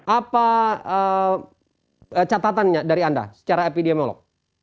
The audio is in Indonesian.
apa catatannya dari anda secara epidemiolog